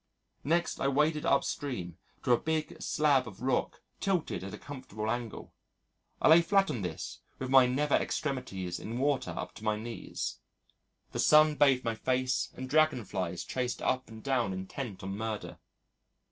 Next I waded upstream to a big slab of rock tilted at a comfortable angle. I lay flat on this with my nether extremities in water up to my knees. The sun bathed my face and dragon flies chased up and down intent on murder.